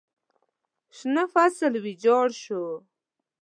شنه فصل ویجاړ شو.